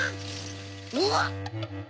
うわっ！